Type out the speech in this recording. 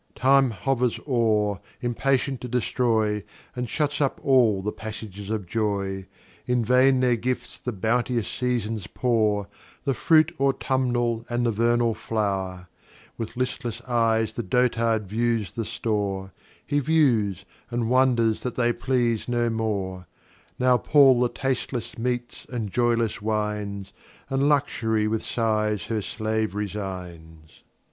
Time hovers o'er, impatient to destroy, And shuts up all the Passages of Joy: In vain their Gifts the bounteous Seasons pour, The Fruit Autumnal, and the Vernal Flow'r, With listless Eyes the Dotard views the Store, He views, and wonders that they please no more; Now pall the tastless Meats, and joyless Wines, And Luxury with Sighs her Slave resigns.